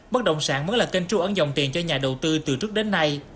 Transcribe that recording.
bất đồng sản vẫn là kênh tru ấn dòng tiền cho nhà đầu tư từ trước đến nay